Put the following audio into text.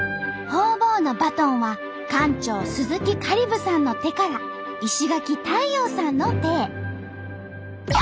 ホウボウのバトンは館長鈴木香里武さんの手から石垣太陽さんの手へ。